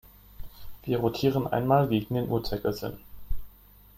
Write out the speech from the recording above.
Wir rotieren einmal gegen den Uhrzeigersinn.